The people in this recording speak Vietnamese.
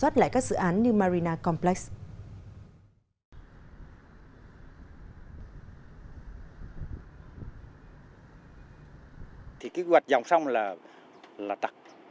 thì kế hoạch dòng sông là tặc